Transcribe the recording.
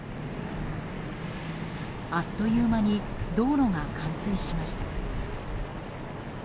あっという間に道路が冠水しました。